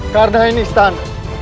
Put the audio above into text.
karena ini standar